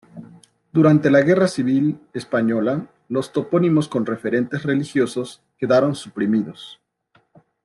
Durante la Guerra Civil Española los topónimos con referentes religiosos quedaron suprimidos.